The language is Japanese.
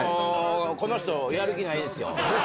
この人やる気ないですよ。